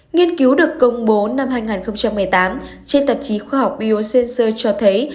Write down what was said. nghiên cứu được công bố năm hai nghìn một mươi tám trên tạp chí khoa học biosensor cho thấy